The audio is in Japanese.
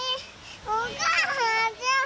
お母ちゃん！